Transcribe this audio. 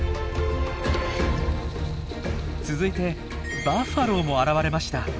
続いてバッファローも現れました。